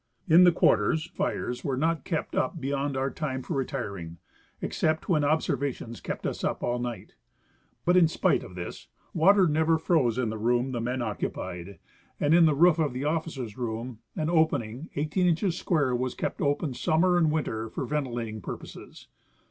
In the quarters fires were not kept up beyond our time for retiring, except when observations kept us up all night; but. in spite of this, water never froze in the room the men occupied, and in the roof of the officers' room an opening eighteen inches square was kept open summer and winter for ventilating pur poses.